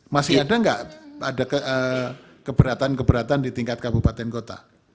masih ada nggak ada keberatan keberatan di tingkat kabupaten kota